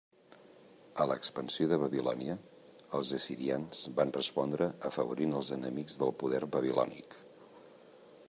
A l'expansió de Babilònia, els assirians van respondre afavorint els enemics del poder babilònic.